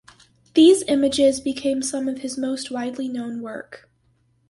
These images became some of his most widely known work.